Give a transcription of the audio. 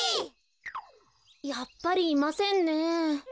やっぱりいませんね。